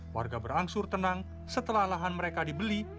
warga berangsur tenang setelah lahan mereka dibeli